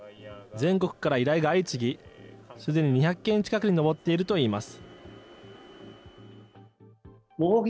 全国から依頼が相次ぎ、すでに２００件近くに上っているといいます。